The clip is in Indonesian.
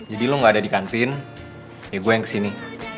jadi lo gak ada di kantin ya gue yang kesini